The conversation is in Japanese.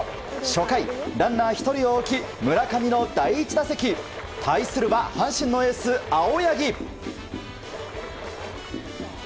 初回、ランナー１人を置き村上の第１打席対するは阪神のエース、青柳。